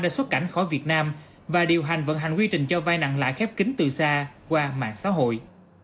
đưa cảnh khỏi việt nam và điều hành vận hành quy trình cho vai nặng lãi khép kín từ xa qua mạng xã hội